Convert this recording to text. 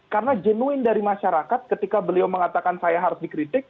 karena jenuin dari masyarakat ketika beliau mengatakan saya harus dikritik